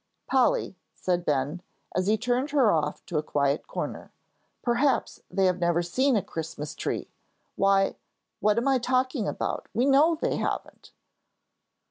"Polly," said Ben, and he turned her off to a quiet corner, "perhaps they have never seen a Christmas tree. Why, what am I talking about? we know they haven't."